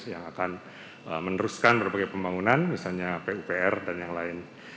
yang akan meneruskan berbagai pembangunan misalnya pupr dan yang lain